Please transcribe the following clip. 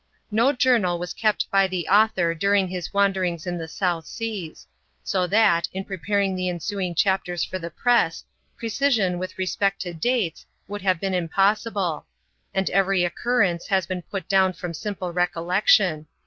No journal was kept by the author during his wanderings in the South Seas ; so that, in preparing the ensuing chapters for the press, precision with respect to dates, would have been impossible ; and every occurrence has been put down from simple recollection.